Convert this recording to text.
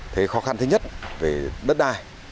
thế khó khăn thứ nhất về đất đai